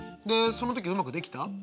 でその時うまくできた？